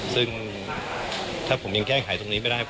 ซึ่งถ้าผมยังแก้ไขตรงนี้ไม่ได้